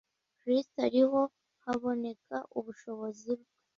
Kristo ari ho haboneka ubushobozi bwo